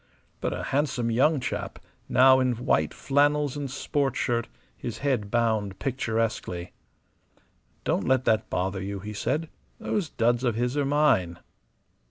But a handsome young chap, now, in white flannels and sport shirt, his head bound picturesquely "Don't let that bother you," he said. "Those duds of his are mine."